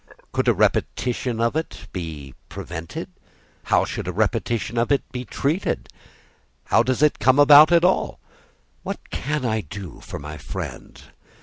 Could a repetition of it be prevented? How should a repetition of it be treated? How does it come about at all? What can I do for my friend?